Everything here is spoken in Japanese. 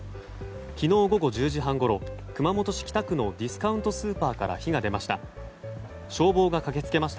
昨日午後１０時半ごろ熊本市北区のディスカウントスーパーから火が出ました。